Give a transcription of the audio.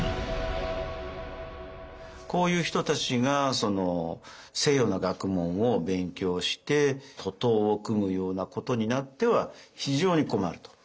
こういう人たちが西洋の学問を勉強して徒党を組むようなことになっては非常に困ると。